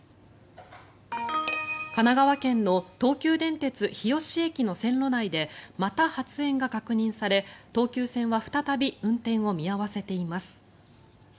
神奈川県の東急電鉄日吉駅の線路内でまた発煙が確認され、東急線は再び運転を見合わせています。